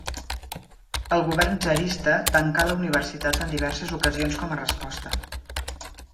El govern tsarista tancà la universitat en diverses ocasions com a resposta.